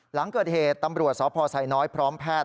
หลังเกิดเหตุตำรวจสพไซน้อยพร้อมแพทย์